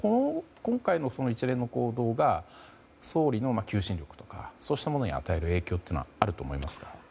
今回の一連の行動が総理の求心力とかそうしたものに与える影響はあると思いますか？